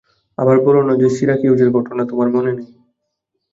আবার বলো না যে সিরাকিউজের ঘটনা তোমার মনে নেই।